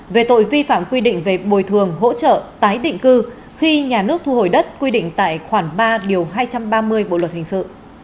về tội vi phạm quy định về bồi thường hỗ trợ tái định cư khi nhà nước thu hồi đất quy định tại khoản ba điều hai trăm ba mươi bộ luật hình sự